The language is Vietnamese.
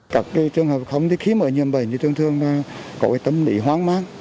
các trường hợp không đi khí mở nhiệm bệnh trường thương có tâm lý hoang mát